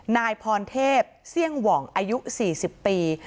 นายพรเทพเสี่ยงหว่องอายุ๔๐ปี